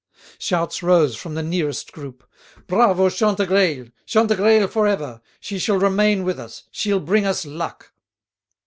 Shouts rose from the nearest group: "Bravo, Chantegreil! Chantegreil for ever! She shall remain with us; she'll bring us luck!"